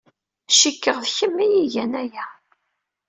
Cikkeɣ d kemm ay igan aya.